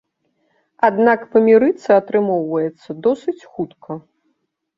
Аднак памірыцца атрымоўваецца досыць хутка.